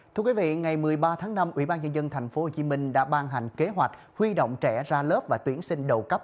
thưa quý vị ngày một mươi ba tháng năm ubnd tp hcm đã ban hành kế hoạch huy động trẻ ra lớp và tuyển sinh đầu cấp